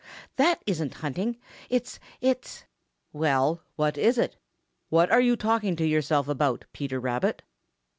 That isn't hunting. It's it's " "Well, what is it? What are you talking to yourself about, Peter Rabbit?"